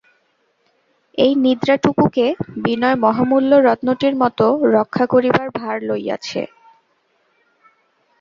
এই নিদ্রাটুকুকে বিনয় মহামূল্য রত্নটির মতো রক্ষা করিবার ভার লইয়াছে।